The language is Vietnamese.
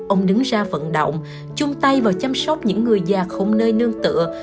ông đứng ra vận động chung tay vào chăm sóc những người già không nơi nương tựa